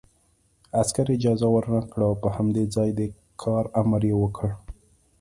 عسکر اجازه ورنکړه او په همدې ځای د کار امر یې وکړ